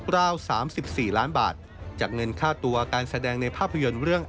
ราว๓๔ล้านบาทจากเงินค่าตัวการแสดงในภาพยนตร์เรื่อง